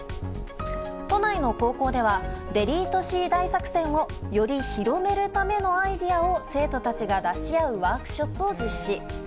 都内の高校ではｄｅｌｅｔｅＣ大作戦をより広めるためのアイデアを生徒たちが出し合うワークショップを実施。